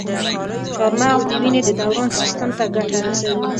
چارمغز د وینې د دوران سیستم ته ګټه رسوي.